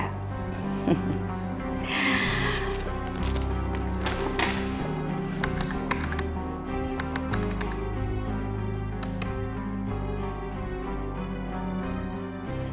tentara sebodong tante